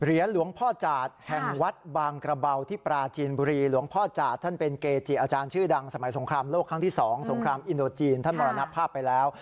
หลวงพ่อจาดแห่งวัดบางกระเบาที่ปราจีนบุรีหลวงพ่อจาดท่านเป็นเกจิอาจารย์ชื่อดังสมัยสงครามโลกครั้งที่๒สงครามอินโดจีนท่านมรณภาพไปแล้ว